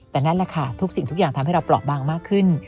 แต่นั่นแหละค่ะทุกสิ่งทุกอย่างทำให้เราเปราะบางมากขึ้น